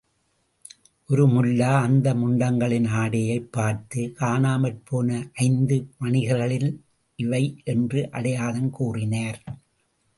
ஒரு முல்லா அந்த முண்டங்களின் ஆடையைப் பார்த்து, காணாமற்போன ஐந்து, வணிகர்களின் இவை யென்று அடையாளம் கூறினார்.